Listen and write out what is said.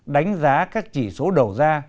đánh giá các chỉ số đầu ra